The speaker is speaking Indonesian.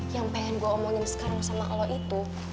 yang pengen gue omongin sekarang sama allah itu